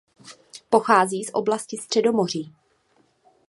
Pochází z oblasti Středomoří.